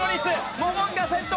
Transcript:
モモンガ先頭。